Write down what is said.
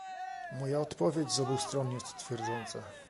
Moja odpowiedź z obu stron jest twierdząca